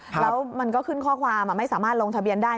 แล้วมันก็ขึ้นข้อความไม่สามารถลงทะเบียนได้